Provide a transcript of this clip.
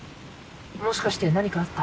もしかして何かあった？